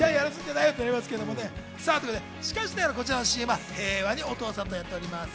こちらのＣＭは平和にお父さんとやっています。